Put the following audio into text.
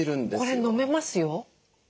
これ飲めますよ。